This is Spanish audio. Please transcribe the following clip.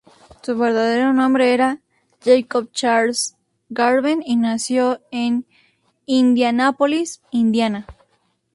Su verdadero nombre era Jacob Charles Garber, y nació en Indianápolis, Indiana.